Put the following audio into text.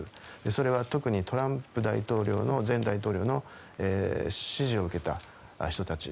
それは、特にトランプ前大統領の指示を受けた人たち。